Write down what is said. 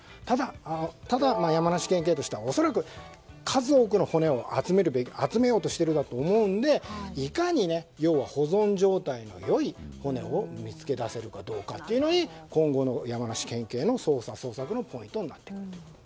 ただ、山梨県警としては恐らく数多くの骨を集めようとしていると思うのでいかに保存状態の良い骨を見つけ出せるかどうかというので今後の山梨県警の捜索のポイントになると。